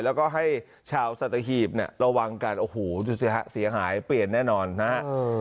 แล้วก็ให้ชาวสัตหีบเนี่ยระวังกันโอ้โหดูสิฮะเสียหายเปลี่ยนแน่นอนนะฮะ